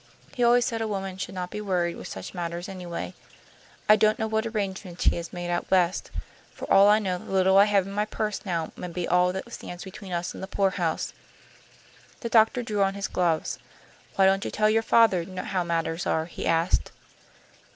He always said a woman should not be worried with such matters, anyway. I don't know what arrangements he has made out West. For all I know, the little I have in my purse now may be all that stands between us and the poorhouse." The doctor drew on his gloves. "Why don't you tell your father how matters are?" he asked.